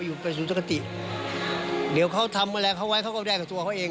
อยู่เป็นสูตรกตินี่เขาทำอะไรพล